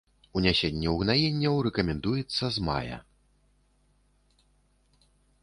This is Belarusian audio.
Унясенне угнаенняў рэкамендуецца з мая.